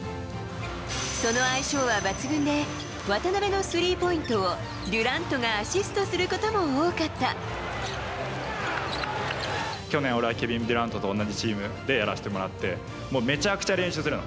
その相性は抜群で、渡邊のスリーポイントをデュラントがアシスト去年、ケビン・デュラントとやらせてもらって、もうめちゃくちゃ練習するの。